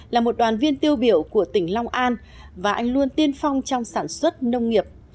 là một đoàn viên tiêu biểu của tỉnh long an và anh luôn tiên phong trong sản xuất nông nghiệp